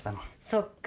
そっか。